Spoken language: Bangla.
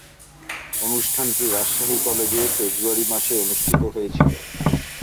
অনুষ্ঠানটি রাজশাহী কলেজে ফেব্রুয়ারি মাসে অনুষ্ঠিত হয়েছিলো।